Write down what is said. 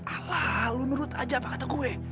alah lu nurut aja apa kata gue